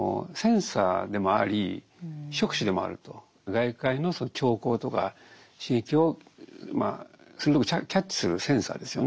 外界の兆候とか刺激を鋭くキャッチするセンサーですよね。